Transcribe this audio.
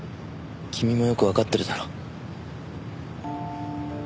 君もよくわかってるだろ。